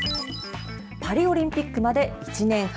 パリオリンピックまで１年半。